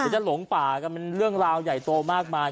จะหลงป่ากันเป็นเรื่องราวใหญ่โตมากมาย